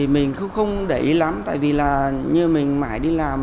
mình không để ý lắm tại vì là như mình mãi đi làm